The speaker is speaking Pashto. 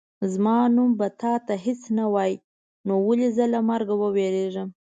زما نوم به تا ته هېڅ نه وایي نو ولې زه له مرګه ووېرېږم.